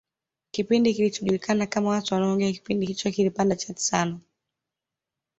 kipindi kilichojulikana kama watu wanaongea kipindi hicho kilipanda chati sana